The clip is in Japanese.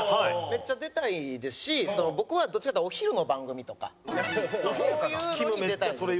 めっちゃ出たいですし僕はどっちかといったらお昼の番組とかそういうのに出たいですね